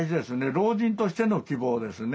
老人としての希望ですね。